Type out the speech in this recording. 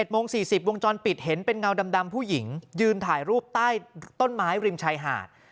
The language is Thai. โมง๔๐วงจรปิดเห็นเป็นเงาดำผู้หญิงยืนถ่ายรูปใต้ต้นไม้ริมชายหาด